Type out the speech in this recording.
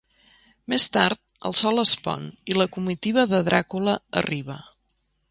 Més tard, el sol es pon i la comitiva de Dràcula arriba.